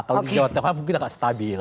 kalau di jawa tengah mungkin agak stabil